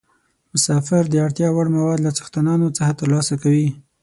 مسافر د اړتیا وړ مواد له څښتنانو څخه ترلاسه کوي.